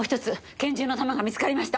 拳銃の弾が見つかりました！